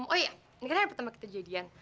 oh iya ini kan ada pertemuan kita jadian